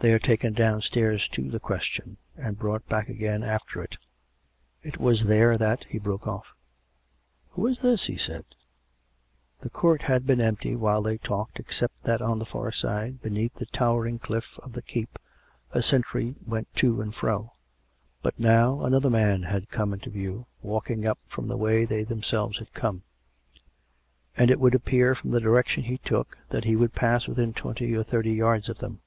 They are taken downstairs to the Question, and brought back again after it. It was there that " He broke off. " Who is this? " he said. 160 COME RACK! COME ROPE! The court had been empty while they talked except that on the far side, beneath the towering cliff of the keep, a sentry went to and fro. But now another man had come into view, walking up from the way they tliemselves had come; and it would appear from the direction he took that he would pass within twenty or thirty yards of them.